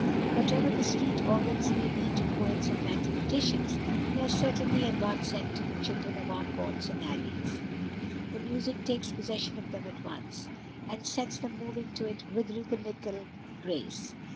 Whatever the street organs may be to poets and mathematicians, they are certainly a godsend to the children of our courts and alleys. The music takes possession of them at once, and sets them moving to it with rhythmical grace.